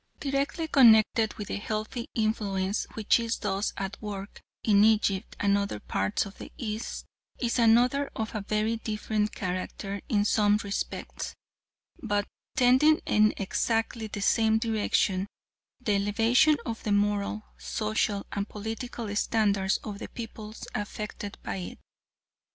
Directly connected with the healthy influence which is thus at work in Egypt and other parts of the East is another of a very different character in some respects, but tending in exactly the same direction the elevation of the moral, social, and political standards of the peoples affected by it.